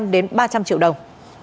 hai trăm linh đến ba trăm linh triệu đồng